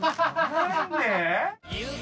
何で？